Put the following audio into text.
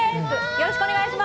よろしくお願いします